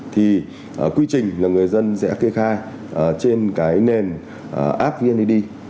thì quy trình là người dân sẽ kê khai trên cái nền app vned